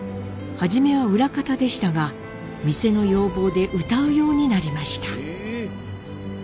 はじめは裏方でしたが店の要望で歌うようになりました。